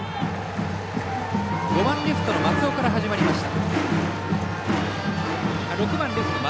６番レフトの松尾から始まりました。